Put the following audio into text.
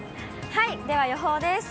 では予報です。